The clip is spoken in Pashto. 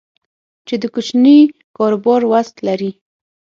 چې د کوچني کاروبار وس لري